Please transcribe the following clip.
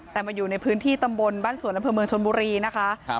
แต่เป็นอยู่ในพื้นที่ตำบลบ้านศวนบเมืองชนมุรีนะคะ